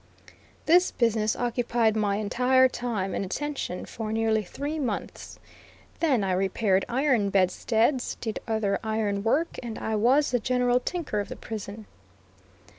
This business occupied my entire time and attention for nearly three months. Then I repaired iron bedsteads, did other iron work, and I was the general tinker of the prison.